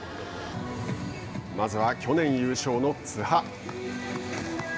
まずは去年優勝の津波。